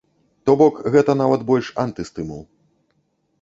То бок, гэта нават больш антыстымул.